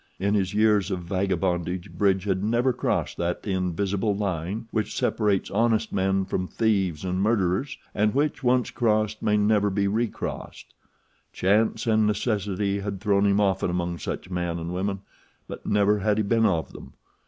In his years of vagabondage Bridge had never crossed that invisible line which separates honest men from thieves and murderers and which, once crossed, may never be recrossed. Chance and necessity had thrown him often among such men and women; but never had he been of them.